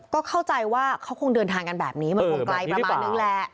ก็เข้าใจว่าเขาคงเดินทางกันแบบนี้มันคงไกลประมาณนึงแหละ